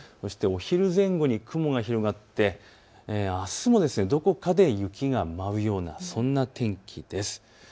お昼前後に雲が広がってあすもどこかで雪が舞うようなそんな天気です。